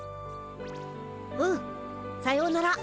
うんさようなら。